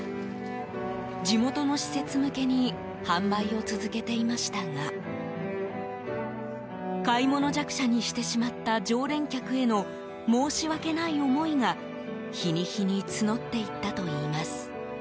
地元の施設向けに販売を続けていましたが買い物弱者にしてしまった常連客への申し訳ない思いが日に日に募っていったといいます。